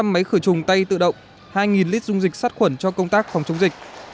bốn trăm linh máy khởi trùng tay tự động hai lít dung dịch sát khuẩn cho công tác phòng chống dịch